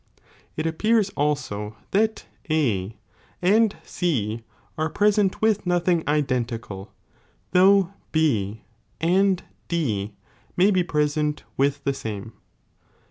It appears also, that A and C are present with nothing identical, though B and D may be present with the same.